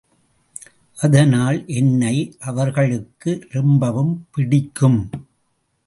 அதனால் என்னை அவர்களுக்கு ரொம்பவும் பிடிக்கும்.